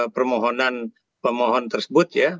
permohonan pemohon tersebut ya